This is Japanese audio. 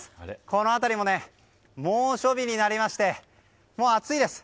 この辺りも猛暑日になりまして暑いです。